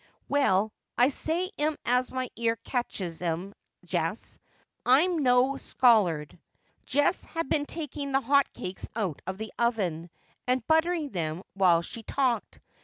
'Well, I say 'em as my ear ketches 'em, Jess. I'm no scholard.' Jess had been taking the hot cakes out of the oven, and buttering them, while she talked.